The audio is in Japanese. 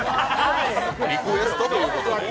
リクエストということで。